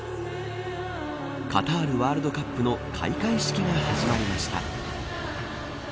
カタールワールドカップの開会式が始まりました。